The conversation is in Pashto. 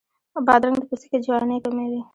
بادرنګ د پوستکي جوانۍ کموي.